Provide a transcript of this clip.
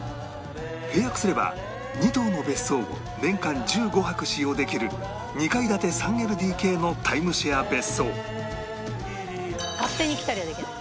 契約すれば２棟の別荘を年間１５泊使用できる２階建て ３ＬＤＫ のタイムシェア別荘勝手に来たりはできない？